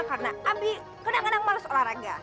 karena abi kadang kadang males olahraga